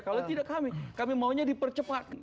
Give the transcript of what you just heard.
kalau tidak kami kami maunya dipercepat